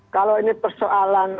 kalau ini persoalan